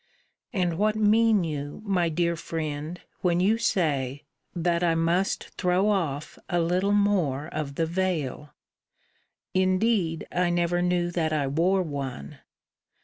And what mean you, my dear friend, when you say, that I must throw off a little more of the veil? Indeed I never knew that I wore one.